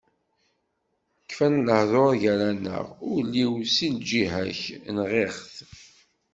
Kfan lehdur gar-aneɣ, ul-iw si lǧiha-k nɣiɣ-t.